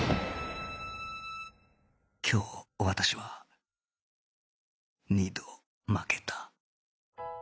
今日私は二度負けた